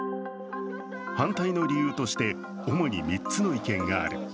反対の理由として主に３つの意見がある。